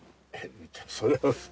それは。